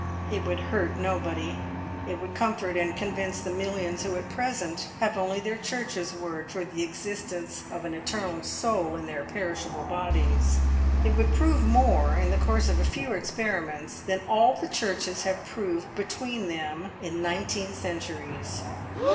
It would hurt nobody; it would comfort and convince the millions who at present have only their Churches' word for the existence of an eternal soul in their perishable bodies. It would prove more, in the course of a few experiments, than all the Churches have proved between them in nineteen centuries.